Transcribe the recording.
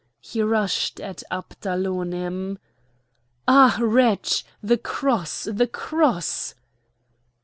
He rushed at Abdalonim. "Ah! wretch! the cross! the cross!"